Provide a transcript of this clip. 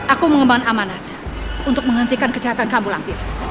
aku mengembangkan amanah untuk menghentikan kejahatan kamu lampir